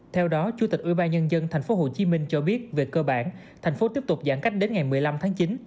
theo đó chủ tịch ubnd tp hcm cho biết về cơ bản thành phố tiếp tục giãn cách đến ngày một mươi năm tháng chín